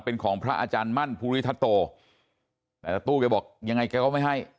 เป็นของพระอาจารย์มั่นภูริทัตโตแต่ตู้แกบอกยังไงแกก็ไม่ให้